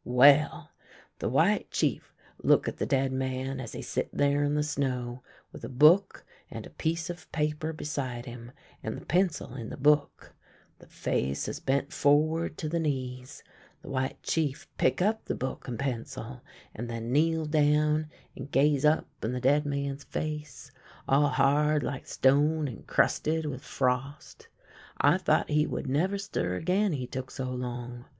" Well, the White Chief look at the dead man as he sit there in the snow, with a book and a piece of paper beside him, and the pencil in the book. The face THE WOODSMAN'S STORY 185 is bent forward to the knees. The White Chief pick up the book and pencil, and then kneel down and gaze up in the dead man's face, all hard like stone and crusted with frost. I thought he would never stir again, he look so long.